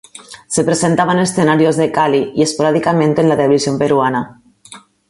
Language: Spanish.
Se presentaba en escenarios de Cali y esporádicamente en la televisión peruana.